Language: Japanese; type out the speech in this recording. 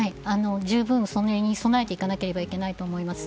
十分その辺を備えていかなければいけないと思います。